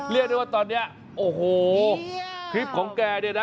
เรียกได้ว่าตอนนี้โอ้โหคลิปของแกเนี่ยนะ